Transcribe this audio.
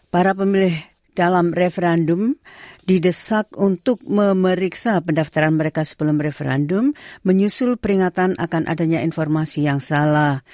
para pemilih dalam referendum didesak untuk memeriksa pendaftaran mereka sebelum referendum menyusul peringatan akan adanya informasi yang salah